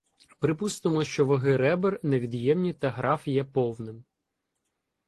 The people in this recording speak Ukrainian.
Припустимо що ваги ребер невід'ємні та граф є повним.